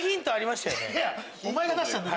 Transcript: お前が出したんだよ